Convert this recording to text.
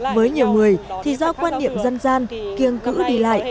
với nhiều người thì do quan niệm dân gian kiêng cữ đi lại